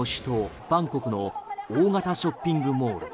タイの首都バンコクの大型ショッピングモール